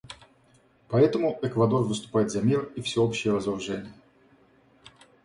Поэтому Эквадор выступает за мир и всеобщее разоружение.